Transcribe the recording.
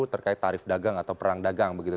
terkait tarif dagang atau perang dagang begitu